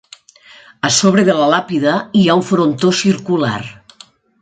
A sobre de la làpida hi ha un frontó circular.